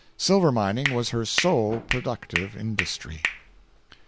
Silver mining was her sole productive industry.